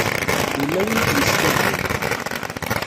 Yella win i d-yeskadben.